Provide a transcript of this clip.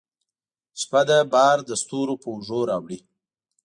شپه ده بار دستورو په اوږو راوړي